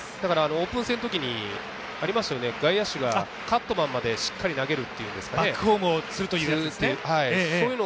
オープン戦のときにありましたよね、外野手がカットマンまでしっかり投げるというんですかね、バックホームをするという。